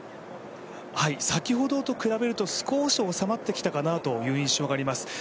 先ほどと比べると少し収まってきたかなという印象があります。